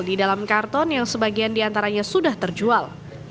di dalam karton yang sebagian diantaranya sudah terjual